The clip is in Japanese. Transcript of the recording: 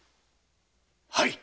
はい。